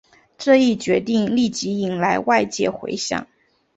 这一决定立即引来外界回响。